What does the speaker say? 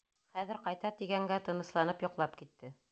Хәҙер ҡайта, тигәнгә тынысланып йоҡлап китте.